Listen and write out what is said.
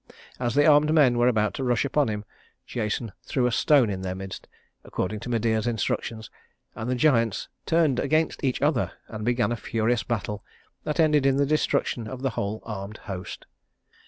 As the armed men were about to rush upon him, Jason threw a stone in their midst, according to Medea's instructions, and the giants turned against each other and began a furious battle that ended in the destruction of the whole armed host.